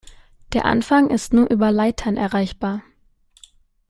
Der Anfang ist nur über Leitern erreichbar.